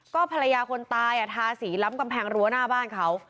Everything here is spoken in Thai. ก็ภรรยาคนตายทาสีล้ำกำแพงรั้วหน้าบ้านเขา